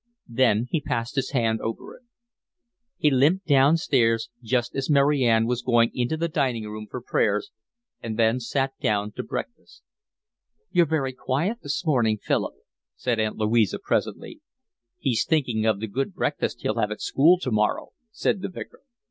Then he passed his hand over it. He limped downstairs just as Mary Ann was going into the dining room for prayers, and then he sat down to breakfast. "You're very quiet this morning, Philip," said Aunt Louisa presently. "He's thinking of the good breakfast he'll have at school to morrow," said the Vicar.